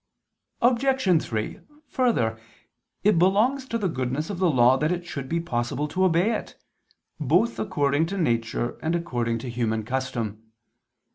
Obj. 3: Further, it belongs to the goodness of the law that it should be possible to obey it, both according to nature, and according to human custom.